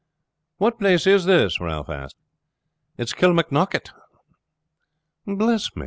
"What place is this?" Ralph asked. "It is Kilmaknocket." "Bless me!"